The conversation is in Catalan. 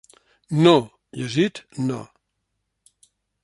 No, llegit… no.